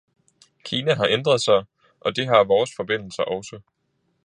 Kina har ændret sig, og det har vores forbindelser også.